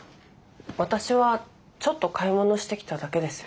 私はちょっと買い物してきただけですよ。